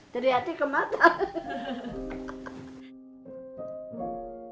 dari hati ke mata